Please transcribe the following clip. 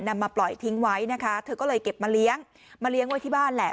มาปล่อยทิ้งไว้นะคะเธอก็เลยเก็บมาเลี้ยงมาเลี้ยงไว้ที่บ้านแหละ